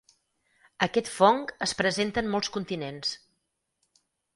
Aquest fong es presenta en molts continents.